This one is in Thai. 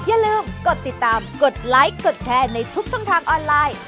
อย่าลืมกดติดตามกดไลค์กดแชร์ในทุกช่องทางออนไลน์